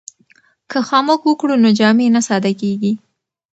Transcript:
که خامک وکړو نو جامې نه ساده کیږي.